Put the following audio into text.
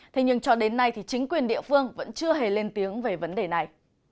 thế nhưng cho đến nay thì chính quyền địa phương vẫn chưa hề lên tiếng về vấn đề này